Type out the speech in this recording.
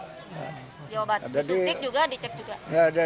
disuntik juga dicek juga